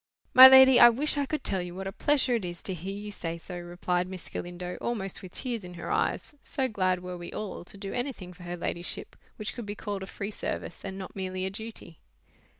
"My lady, I wish I could tell you what a pleasure it is to hear you say so," replied Miss Galindo, almost with tears in her eyes; so glad were we all to do anything for her ladyship, which could be called a free service and not merely a duty.